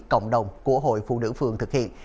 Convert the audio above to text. cộng đồng của hội phụ nữ phường thực hiện